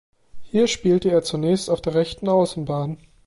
Hier spielte er zunächst auf der rechten Außenbahn.